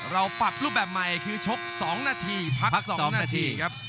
เราปรับรูปแบบใหม่คือชก๒นาทีพัก๒นาทีครับ